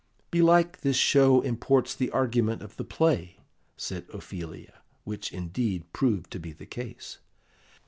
"Belike this show imports the argument of the play," said Ophelia, which indeed proved to be the case.